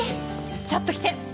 ちょっと来て！